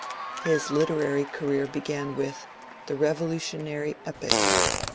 His literary career began with ^^ The Revolutionary Epick."